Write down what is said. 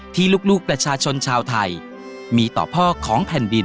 ที่ลูกประชาชนชาวไทยมีต่อพ่อของแผ่นดิน